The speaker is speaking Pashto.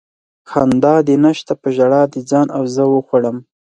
خندا دې نشته په ژړا دې ځان او زه وخوړم